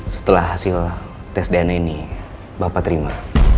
setelah hasil tes dna ini bapak terima